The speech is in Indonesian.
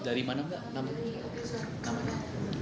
dari mana pak